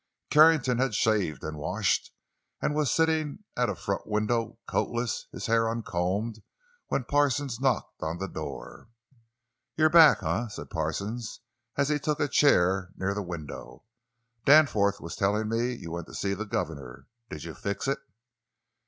Carrington had shaved and washed, and was sitting at a front window, coatless, his hair uncombed, when Parsons knocked on the door. "You're back, eh?" said Parsons as he took a chair near the window. "Danforth was telling me you went to see the governor. Did you fix it?"